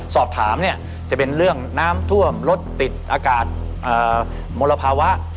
สอบถามเนี่ยจะเป็นเรื่องน้ำท่วมรถติดอากาศมลภาวะ